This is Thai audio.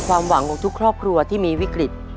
ความหวังของทุกครอบครัวที่มีวิกฤต